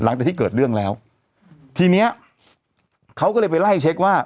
หลังจากที่เกิดเรื่องแล้วทีเนี้ยเขาก็เลยไปไล่เช็คว่า